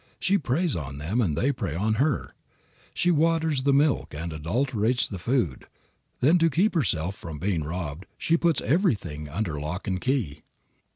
She preys on them and they prey on her. She waters the milk and adulterates the food. Then to keep herself from being robbed she puts everything under lock and key.